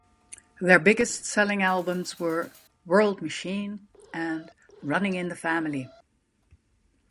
Their biggest selling albums were "World Machine" and "Running in the Family".